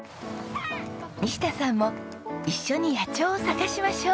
西田さんも一緒に野鳥を探しましょう！